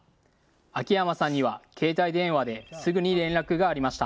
秋山さんには携帯電話ですぐに連絡がありました。